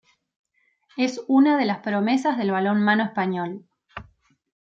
Es una de las promesas del balonmano español.